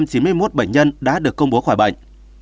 có một mươi bốn bệnh nhân đã được công bố khỏi bệnh